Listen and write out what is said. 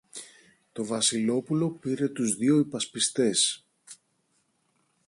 Το Βασιλόπουλο πήρε τους δυο υπασπιστές